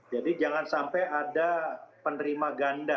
jadi jangan sampai ada penerima ganda